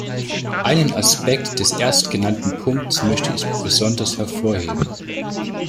Einen Aspekt des erstgenannten Punkts möchte ich besonders hervorheben.